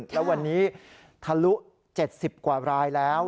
แล้ววันนี้ทะลุ๗๐กว่ารายแล้ว